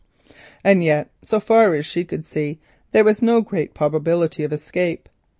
And yet so far as she could see there was no great probability of escape.